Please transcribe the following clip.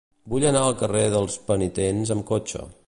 Vull anar al carrer dels Penitents amb cotxe.